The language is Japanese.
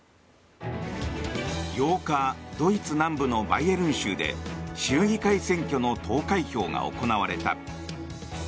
８日、ドイツ南部のバイエルン州で州議会選挙の投開票が行われた。